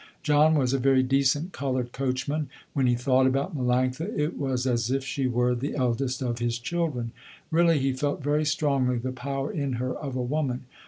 John was a very decent colored coachman. When he thought about Melanctha it was as if she were the eldest of his children. Really he felt very strongly the power in her of a woman.